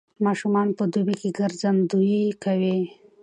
ماشومان په دوبي کې ګرځندويي کوي.